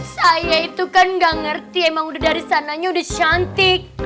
saya itu kan gak ngerti emang udah dari sananya udah cantik